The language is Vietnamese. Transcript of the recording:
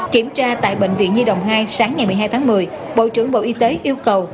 kiểm tra tại bệnh viện nhi đồng hai sáng ngày một mươi hai tháng một mươi bộ trưởng bộ y tế yêu cầu